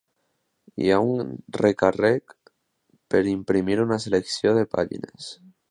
Hi ha un recàrrec per imprimir una selecció de pàgines.